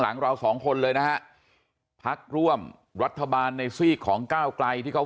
หลังเราสองคนเลยนะฮะพักร่วมรัฐบาลในซีกของก้าวไกลที่เขา